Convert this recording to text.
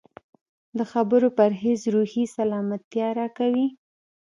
د خبرو پرهېز روحي سلامتیا راکوي.